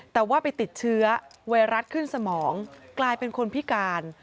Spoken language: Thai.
แต่ว่าไปติดเชื้อไวรัสขึ้นสมองกลายเป็นคนพิการ